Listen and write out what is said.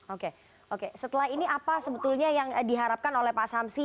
oke oke setelah ini apa sebetulnya yang diharapkan oleh pak samsi